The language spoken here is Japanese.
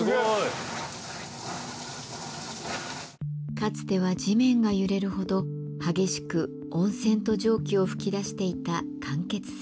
かつては地面が揺れるほど激しく温泉と蒸気を噴き出していた間欠泉。